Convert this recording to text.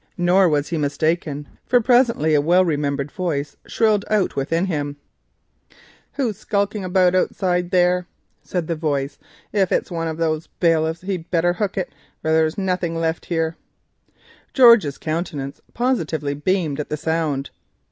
Nor was he mistaken, for presently a well remembered voice shrilled out: "Who's skulking round outside there? If it's one of those bailiffs he'd better hook it, for there's nothing left here." George's countenance positively beamed at the sound.